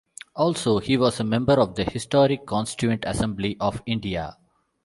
Also, he was a member of the historic Constituent Assembly of India.